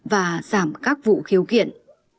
và giảm các vụ khiếu kiện